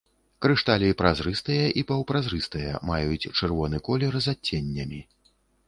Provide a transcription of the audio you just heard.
Крышталі празрыстыя і паўпразрыстыя, маюць чырвоны колер з адценнямі.